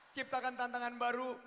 ciptakan tantangan baru